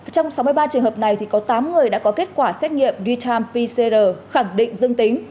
trong sáu mươi ba trường hợp này có tám người đã có kết quả xét nghiệm real time pcr khẳng định dương tính